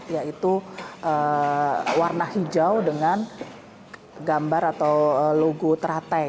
yaitu warna hijau dengan gambar atau logo teratai